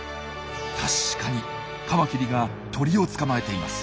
確かにカマキリが鳥を捕まえています。